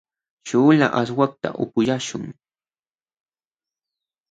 śhuula aswakta upyaśhun.